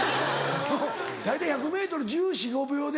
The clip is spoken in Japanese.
大体１００ｍ１４１５秒で。